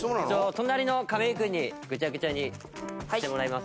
隣の亀井君にぐちゃぐちゃにしてもらいます。